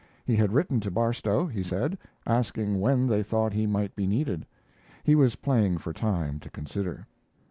He had written to Barstow, he said, asking when they thought he might be needed. He was playing for time to consider.